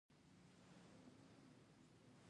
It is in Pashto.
د حاجي بادرنګ اکا لپاره د لاندې مږانو سپینې کترې پخېدلې.